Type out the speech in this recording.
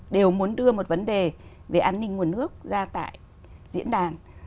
đều muốn đưa một vấn đề về an ninh nguồn nước ra tại diễn đàn